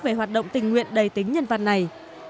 về hoạt động tình nguyện đầy tính nhân văn này